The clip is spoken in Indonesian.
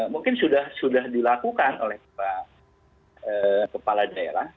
mungkin sudah dilakukan oleh kepala daerah